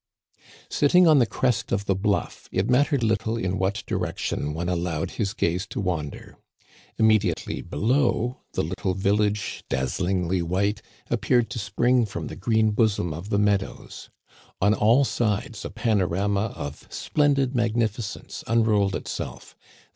*' Sitting on the crest of the bluff, it mattered little in what direction one allowed his gaze to wander. Imme diately below the little village, dazzingly white, appeared to spring from the green bosom of the meadows. On all sides a panorama of splendid magnificence unrolled itself.